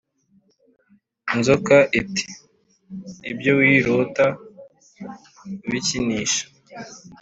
» inzoka iti« ibyo wirota ubikinisha